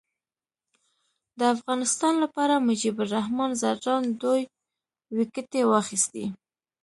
د افغانستان لپاره مجيب الرحمان ځدراڼ دوې ویکټي واخیستي.